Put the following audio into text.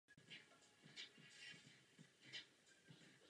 Ta byla zřízena až počátkem padesátých let.